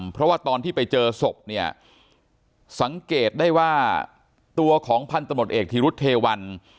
เพราะว่าตอนที่ไปเจอศพเนี่ยสังเกตได้ว่าตัวของพันธมตเอกธีรุธเทวัน